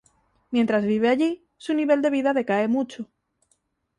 Mientras vive allí, su nivel de vida decae mucho.